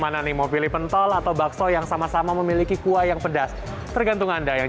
mana nih mau pilih pentol atau bakso yang sama sama memiliki kuah yang pedas tergantung anda yang